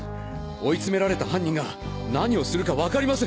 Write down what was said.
追い詰められた犯人が何をするか分かりません。